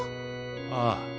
ああ。